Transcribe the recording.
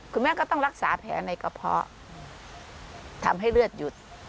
คุณแม่ก็ต้องรักษาแผลในกระเพาะทำให้เลือดหยุด